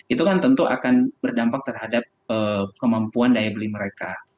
itu kan tentu akan berdampak terhadap kemampuan daya beli mereka